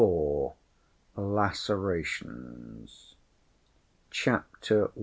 Lacerations Chapter I.